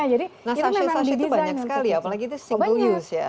nah sachet sachet itu banyak sekali ya apalagi itu single use ya